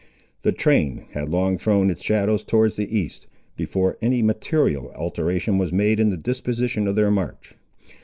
The train had long thrown its shadows towards the east, before any material alteration was made in the disposition of their march.